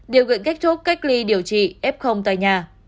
điều gợi kết thúc cách ly điều trị f tại nhà